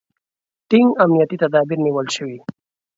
ټینګ امنیتي تدابیر نیول شوي.